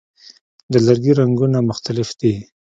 د لرګي رنګونه مختلف دي.